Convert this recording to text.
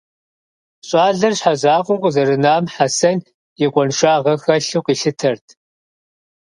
Щӏалэр щхьэзакъуэу къызэрынам Хьэсэн и къуэншагъэ хэлъу къилъытэрт.